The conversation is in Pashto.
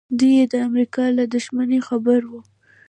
دی یې د امریکا له دښمنۍ خبر و